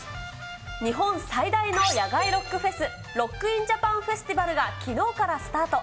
日本最大の野外ロックフェス、ロック・イン・ジャパンフェスティバルがきのうからスタート。